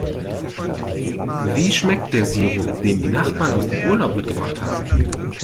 Wie schmeckt der Sirup, den die Nachbarn aus dem Urlaub mitgebracht haben?